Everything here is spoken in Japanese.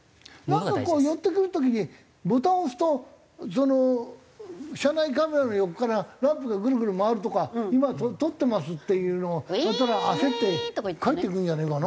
なんかこう寄ってくる時にボタンを押すとその車内カメラの横からランプがぐるぐる回るとか今撮ってますっていうのが鳴ったら焦って帰っていくんじゃねえかな？